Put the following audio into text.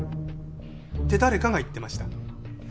って誰かが言ってました。